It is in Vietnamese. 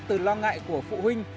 từ lo ngại của phụ huynh